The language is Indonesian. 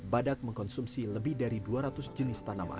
badak mengkonsumsi lebih dari dua ratus jenis tanaman